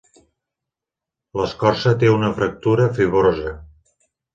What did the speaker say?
L'escorça té una fractura fibrosa.